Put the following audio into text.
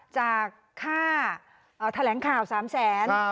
จากค่าแถลงข่าว๓แสน